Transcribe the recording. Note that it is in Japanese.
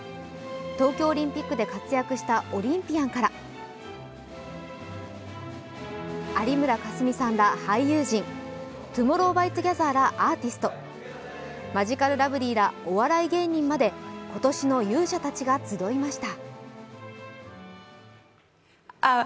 東京オリンピックで活躍したオリンピアンから、有村架純さんら俳優陣、ＴＯＭＯＲＲＯＷＸＴＯＧＥＴＨＥＲらアーティスト、マヂカルラブリーらお笑い芸人まで今年の勇者たちが集いました。